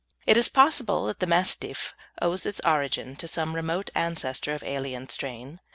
It is possible that the Mastiff owes his origin to some remote ancestor of alien strain.